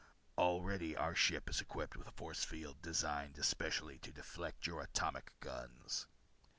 Already our ship is equipped with a force field designed especially to deflect your atomic guns."